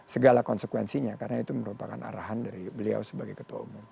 segala konsekuensinya karena itu merupakan arahan dari beliau sebagai ketua umum